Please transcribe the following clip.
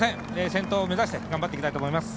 先頭を目指して頑張っていきたいと思います。